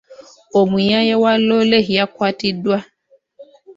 Omuyaaye wa loole yakwatiddwa.